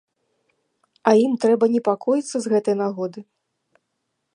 А ім трэба непакоіцца з гэтай нагоды?